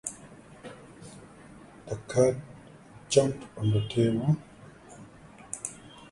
They were accompanied by members of progressive metal group Haken.